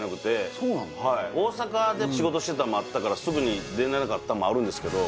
はい大阪で仕事してたんもあったからすぐに出れなかったんもあるんですけど